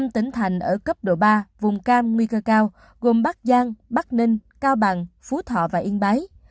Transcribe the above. năm tỉnh thành ở cấp độ ba vùng cam nguy cơ cao gồm bắc giang bắc ninh cao bằng phú thọ và yên bái